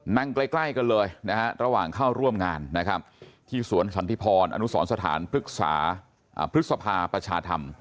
นั่งใกล้กันเลยระหว่างเข้าร่วมงานที่สวนสันทิพรอนุสรสถานพฤษภาประชาธรรม